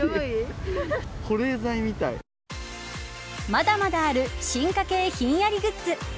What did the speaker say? まだまだある進化形ひんやりグッズ。